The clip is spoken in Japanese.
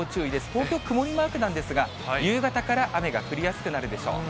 東京、曇りマークなんですが、夕方から雨が降りやすくなるでしょう。